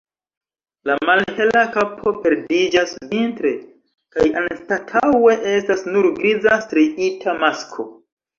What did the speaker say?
La malhela kapo perdiĝas vintre kaj anstataŭe estas nur griza striita masko.